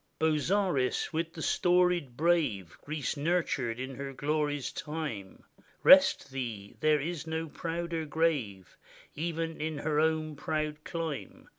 Bozzaris! with the storied brave Greece nurtured in her glory's time, Rest thee — there is no prouder grave, Even in her own proud clime.